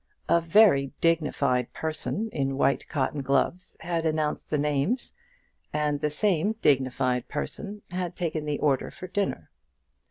A very dignified person in white cotton gloves had announced the names, and the same dignified person had taken the order for dinner.